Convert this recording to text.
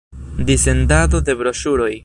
Dissendado de broŝuroj.